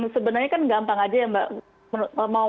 sebenarnya kan gampang aja ya mbak